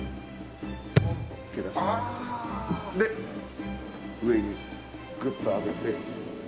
で上にグッと上げて。